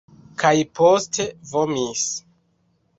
Kaj poste vomis.